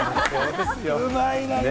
うまいな。